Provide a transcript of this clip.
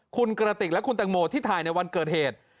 คุณกระติกและคุณแตงโมที่ถ่ายในวันเกิดเหตุ